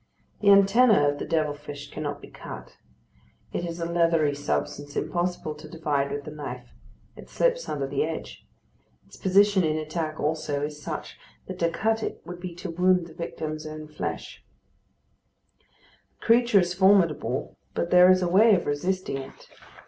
The antenna of the devil fish cannot be cut; it is a leathery substance impossible to divide with the knife, it slips under the edge; its position in attack also is such that to cut it would be to wound the victim's own flesh. The creature is formidable, but there is a way of resisting it.